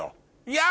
いや！